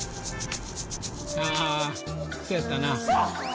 ああそうやったな。